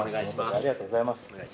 ありがとうございます。